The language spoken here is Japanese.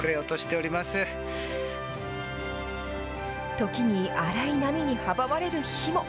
時に荒い波に阻まれる日も。